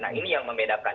nah ini yang membedakan